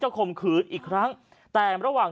ชาวบ้านญาติโปรดแค้นไปดูภาพบรรยากาศขณะ